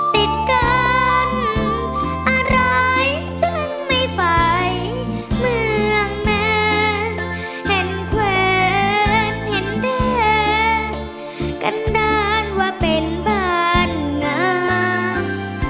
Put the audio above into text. ติดกันอะไรจึงไม่ไปเมืองแมนเห็นแขวนหินแดงกันนานว่าเป็นบ้านงาม